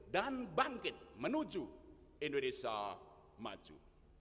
dan bangkit menuju indonesia maju